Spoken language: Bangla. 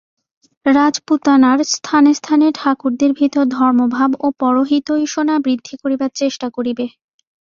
রাজপুতানার স্থানে স্থানে ঠাকুরদের ভিতর ধর্মভাব ও পরহিতৈষণা বৃদ্ধি করিবার চেষ্টা করিবে।